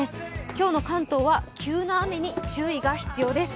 今日の関東は急な雨に注意が必要です。